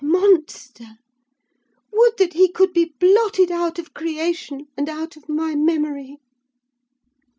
Monster! would that he could be blotted out of creation, and out of my memory!"